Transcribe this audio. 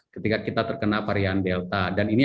ketika kita terkena varian delta dan ini